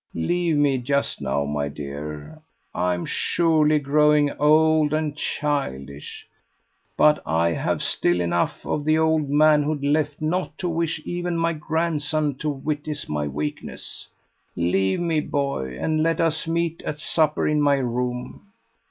leave me just now, my dear; I am surely growing old and childish, but I have still enough of the old manhood left not to wish even my grandson to witness my weakness. Leave me, boy, and let us meet at supper in my room.